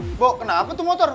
ibu kenapa tuh motor